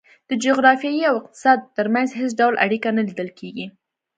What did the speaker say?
د جغرافیې او اقتصاد ترمنځ هېڅ ډول اړیکه نه لیدل کېږي.